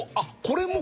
「これも」